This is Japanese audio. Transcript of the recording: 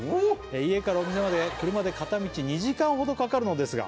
「家からお店まで車で片道２時間ほどかかるのですが」